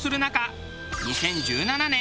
２０１７年